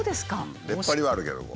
出っ張りはあるけども。